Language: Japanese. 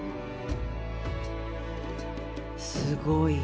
すごい。